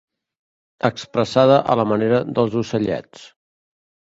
Expressada a la manera dels ocellets.